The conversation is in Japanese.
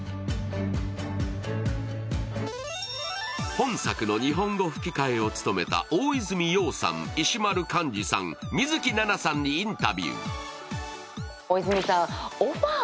本作の日本語吹き替えを務めた大泉洋さん、石丸幹二さん、水樹奈々さんにインタビュー。